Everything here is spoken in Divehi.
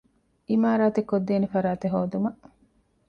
ޢިމާރާތެއް ކޮށްދޭނެ ފަރާތެއް ހޯދުމަށް